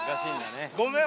ごめん